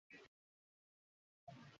আমি এই শালের ঠিকুজী বের করছি।